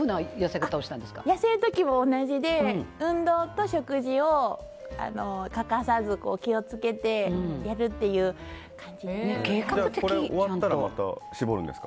痩せる時も同じで運動と食事を欠かさず、気を付けてやるっていう感じです。